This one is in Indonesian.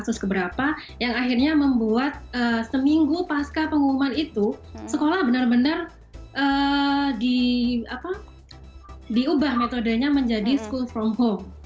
kasus keberapa yang akhirnya membuat seminggu pasca pengumuman itu sekolah benar benar diubah metodenya menjadi school from home